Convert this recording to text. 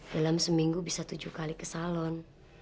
dalam seminggu bisa tujuh kali ke salon